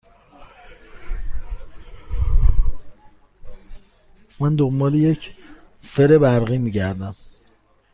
من دنبال یک فر برقی می گردم.